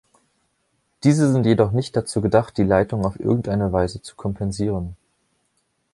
Diese sind jedoch nicht dazu gedacht, die Leitung auf irgendeine Weise zu kompensieren.